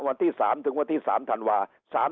วันที่๓ถึงวันที่๓ธันวา